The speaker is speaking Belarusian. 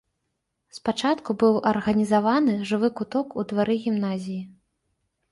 Спачатку быў арганізаваны жывы куток ў двары гімназіі.